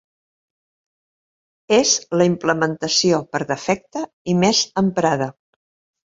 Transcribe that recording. És la implementació per defecte i més emprada.